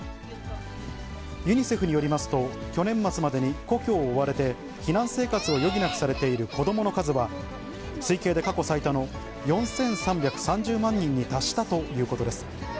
ユニセフによりますと、去年末までに故郷を追われて避難生活を余儀なくされている子どもの数は、推計で過去最多の４３３０万人に達したということです。